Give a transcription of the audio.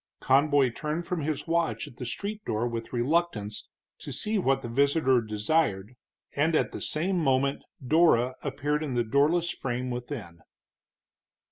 Conboy turned from his watch at the street door with reluctance, to see what the visitor desired, and at the same moment Dora appeared in the doorless frame within.